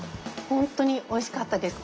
本当においしかったです。